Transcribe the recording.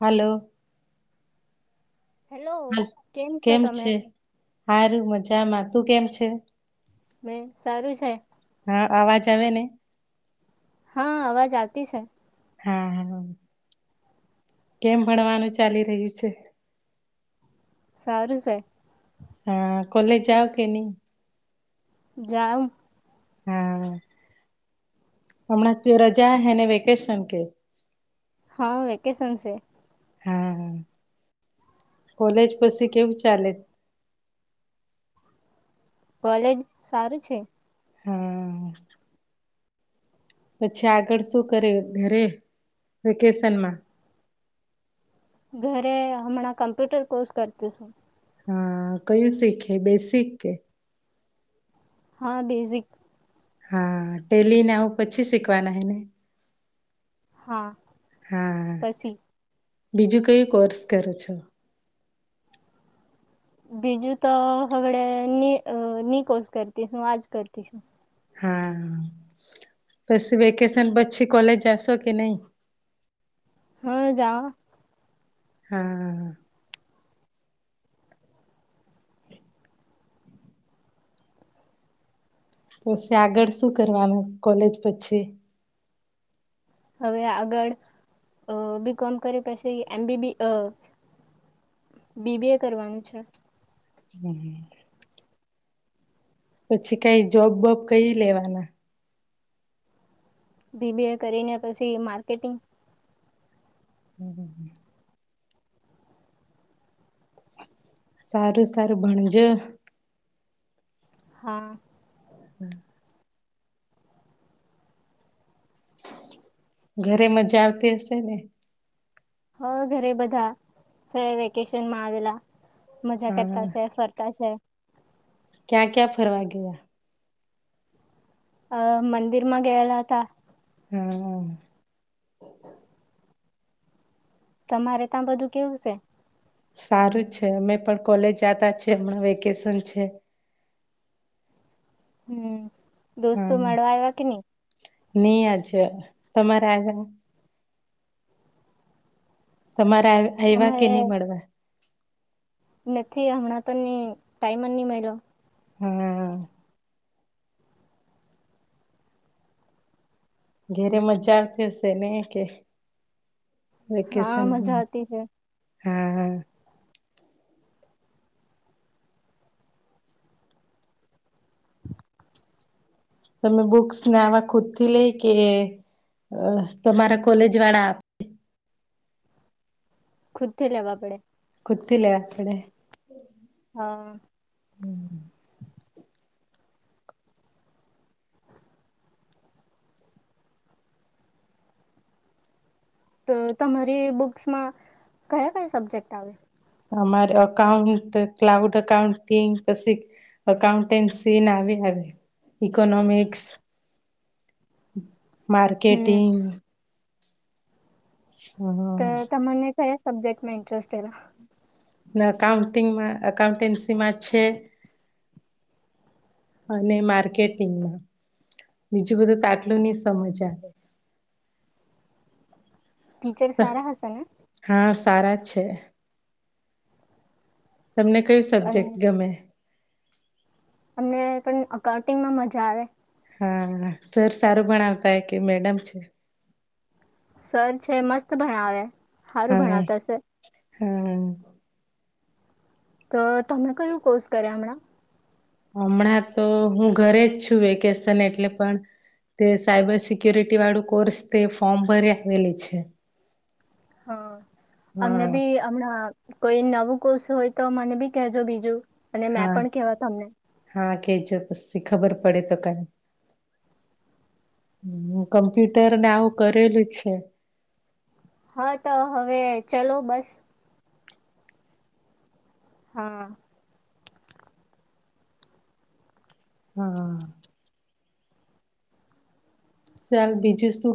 હાલો hello હ છો કેમ તમે છે સારું મજામાં તું કેમ છે મેં સારું છે હા અવાજ આવે ને હા અવાજ આતી છે હા હા કેમ ભણવાનું ચાલી રહ્યું છે સાર છેે હા કોલેજ જાઓ કે નહી જાઓ હા હમણાં તો રજા હૈ ને વેકેશન કે હા વેકેશન છે હા હ કોલેજ પછી કેવું ચાલે કોલેજ સારું છે હા પછી આગળ શું કરે ઘરે વેકેશનમાં ઘરે હમણાં કમ્પ્યુટર કોર્સ કરતી છેું હા કયું શીખે બેસિક કે હા બેઝિક હા ટેલી ને આવું પછી શીખવાના હ ને હા પછી બીજું કઈ કોર્સ કરો છો બીજું તો હવેડ નિકોષ કરતીું આજ કરતી છું હા પછી વેકેશન પછી કોલેજ જાશો કે નહી હા જાવા હા હ તોછી આગળ શું કરવાનું કોલેજ પછી હવે આગળ બી કોમ કર પછી એમ બીબી બીબી એ કરવાનું છે હમ પછી કઈ જોબબોબ કઈ લેવાના બીબી એ કરીને પછી માર્કેટિંગ હ સારું સારું બણજ હા હમ ઘરે મજા આવતી હશે ને હવે ઘરે બધા સ વેકેશનમાં આવેલા મજા કરતા છે ફરતા છે ક્યા ક્યા ફરવા ગયા અ મંદિર માં ગયેલા હતા હમ તમારે ત્યાં બધું કેવું છે સારું છે અમે પણ કોલેજ આવતા છે હમણાં વેકેશન છે હમ દોસ્તો મળવા આવ્યા કે નહી હી આજ તમારે આગા તમારે એવા કે અમારે નહી મળવા નથી હમણાં તો ન ટાઈમ જ નહી મળલો હમ ઘેરે મજા આવતી હશે ને કે વ હા મજા આવતી છે હા હ તમે બુક્સને આવા ખુદ થી લઈ કે તમારા કોલેજ વાળા આપ ખુદ થી લેવા પડે કતિ લ આ કડ હા તો તમારી બુક્સમાં કયા કયા સબ્જેક્ટ આવે અમારે અઉન્ટ ક્લાઉડ અઉન્ટિંગ પછી અકાઉન્ટન્સી ના આવે આવે ઈકોનોમિક્સ હમ માર્કેટિંગ તો હમ તમને કયા સબ્જેક્ટમાં ઇન્ટરેસ્ટ એ અઉન્ટિંગમાં અકાઉન્ટન્સીમાં છે અને માર્કેટિંગમાં બીજું બધું તો આટલું નહ સમજ આવે ટીચર સારા હશે હા સારા છે તમને કયું અને સબ્જેક્ટ ગમે અમને પણ અકાઉન્ટિંગમાં મજા આવે હા સર સારું ભણાવતા હ કે મેડમ છે સર છે મસ્ત ભણાવે સારું ભણાતા હશે હમ તો તમે કયું કોર્સ કર્યા હમણાં હમણાં તો હું ઘરે જ છું વેકેશન એટલે પણ તે સાયબર સિક્યોરિટી વાળું કોર્સ તે ફોર્મ ભરી આવેલી છે હા અમને હા. બી હમણાં કોઈ નવું કોશ હોય તો મને બી કેજો બીજું અને મેં હા પણ કેવા તમને. હા કેજો પ ખબર પડે તો કઈ કમ્પ્યુટર ને આવું કરેલું છે ચલોો બસ હા હા ચાલ બીજું શું